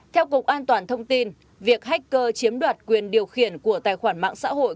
theo cục an toàn thông tin việc hacker chiếm đoạt quyền điều khiển của tài khoản mạng xã hội